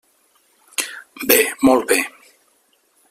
Bé, molt bé.